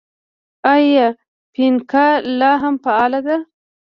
آیا فینکا لا هم فعاله ده؟